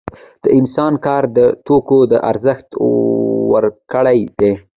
د انسان کار دې توکو ته ارزښت ورکړی دی